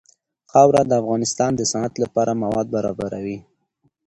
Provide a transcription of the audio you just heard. خاوره د افغانستان د صنعت لپاره مواد برابروي.